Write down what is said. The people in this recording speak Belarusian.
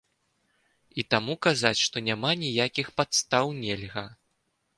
І таму казаць, што няма ніякіх падстаў, нельга.